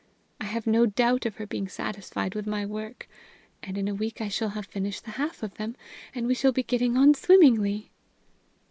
I have no doubt of her being satisfied with my work; and in a week I shall have finished the half of them, and we shall be getting on swimmingly."